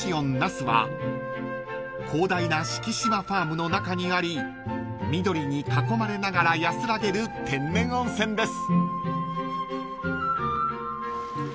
［広大な敷島ファームの中にあり緑に囲まれながら安らげる天然温泉です］